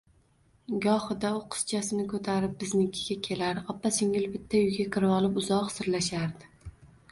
Gohida u qizchasini ko`tarib biznikiga kelar, opa-singil bitta uyga kirvolib, uzoq sirlashardik